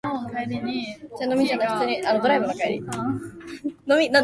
室外機の回る音だけが聞こえた。それはどの家からも聞こえた。